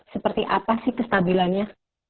seperti apa sih kestabilannya